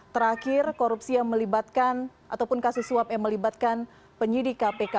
terakhir korupsi yang melibatkan ataupun kasus suap yang melibatkan penyidik kpk